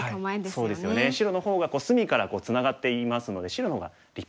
そうですよね白の方が隅からツナがっていますので白の方が立派なんですよ。